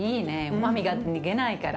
うまみが逃げないから。